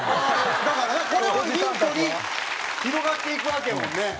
だからねこれをヒントに広がっていくわけやもんね。